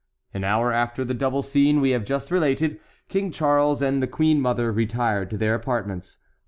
An hour after the double scene we have just related, King Charles and the queen mother retired to their apartments.